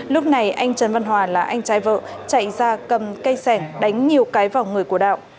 lúc này anh trần văn hòa là anh trai vợ chạy ra cầm cây sẻng đánh nhiều cái vào người của đạo